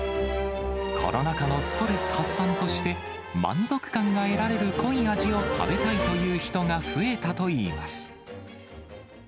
コロナ禍のストレス発散として、満足感が得られる濃い味を食べたいという人が増えたといいます。